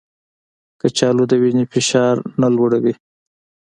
کچالو د وینې فشار نه لوړوي